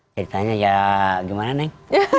ceritanya ya gimana neng